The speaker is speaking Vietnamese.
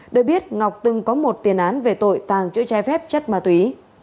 để biết ngọc từng có một tiền án về tội tàng chữa trái phép chất ma túy